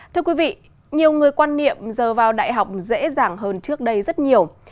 thưa quý vị nhiều người quan niệm giờ vào đại học dễ dàng hơn trước đây rất nhiều